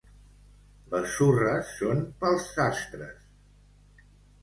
Les surres són pels sastres.